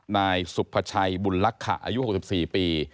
นายสุภาชัยบุญลักษะอายุ๖๔ปี